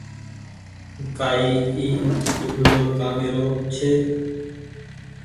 ڪآئي اي جملو ڪآمي رو ڇي۔